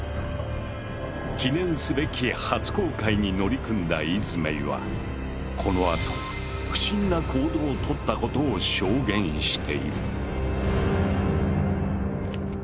記念すべき初航海に乗り組んだイズメイはこのあと不審な行動を取ったことを証言している。